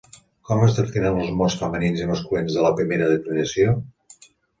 Com es declinen els mots femenins i masculins de la primera declinació?